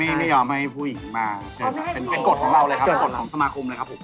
เออคุณยี่โยมถามถามเบอร์หนึ่งหัวครับ